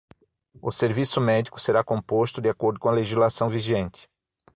O serviço médico será composto de acordo com a legislação vigente.